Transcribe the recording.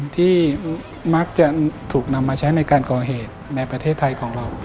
ที่มักจะถูกนำมาใช้ในการก่อเหตุในประเทศไทยของเรา